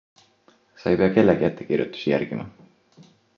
Sa ei pea kellegi ettekirjutusi järgima.